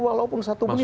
walaupun satu menit